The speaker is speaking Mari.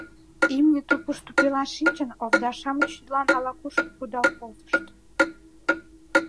Имне тупыш тупела шинчын, овда-шамыч йӱдлан ала-кушко кудал колтышт.